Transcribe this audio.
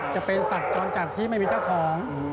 จะเป็นสัตว์จรจัดที่ไม่มีเจ้าของ